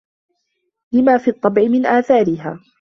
لِمَا فِي الطَّبْعِ مِنْ آثَارِهَا